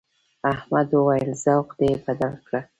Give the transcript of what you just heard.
احمد وويل: ذوق دې بدل کړه.